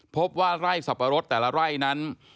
พบว่าไร่สับปะรดแต่ละไร่นั้น